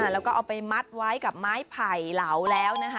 แล้วก็เอาไปมัดไว้กับไม้ไผ่เหลาแล้วนะคะ